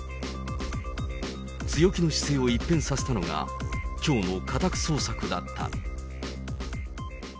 強気の姿勢を一変させたのが、きょうの家宅捜索だった。